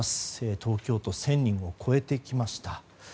東京都１０００人を超えてきました。